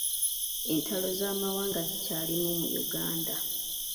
Entalo z'amawanga zikyalimu mu Uganda.